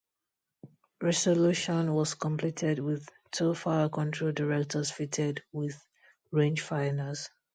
"Resolution" was completed with two fire-control directors fitted with rangefinders.